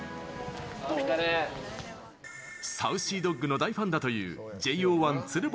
ＳａｕｃｙＤｏｇの大ファンだという、ＪＯ１・鶴房。